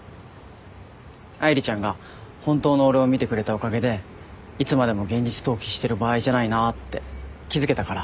愛梨ちゃんが本当の俺を見てくれたおかげでいつまでも現実逃避してる場合じゃないなって気付けたから。